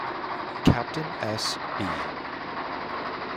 Captain S. B.